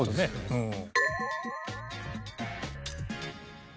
うん。